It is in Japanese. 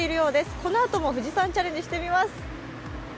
このあとも富士山チャレンジしてみます。